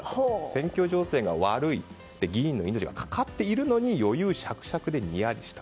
選挙情勢が悪い議員の命がかかっているのに余裕しゃくしゃくでニヤリした。